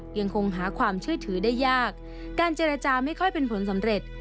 ยังคงหาความเชื่อถือได้ยากการเจรจาไม่ค่อยเป็นผลสำเร็จ